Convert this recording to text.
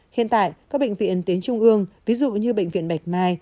hiện tại các bệnh viện tuyến trung ương ví dụ như bệnh viện bạch mai